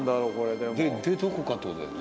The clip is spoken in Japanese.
でどこかってことだよね